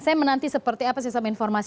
saya menanti seperti apa sistem informasi